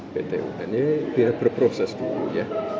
btuhannya biar berproses dulu ya